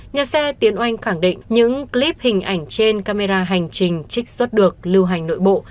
nhà xe tiến oanh khẳng định những clip hình ảnh trên camera hành trình trích xuất được lưu hành nội bộ